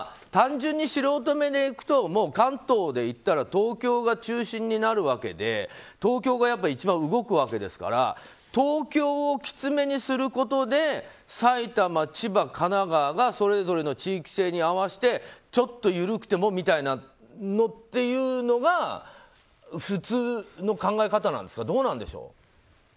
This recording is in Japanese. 単純に素人目でいくと関東でいったら東京が中心になるわけで東京が一番動くわけですから東京をきつめにすることで埼玉、千葉、神奈川がそれぞれの地域性に合わせてちょっと緩くてもっていうのが普通の考え方なんですかどうなんでしょう。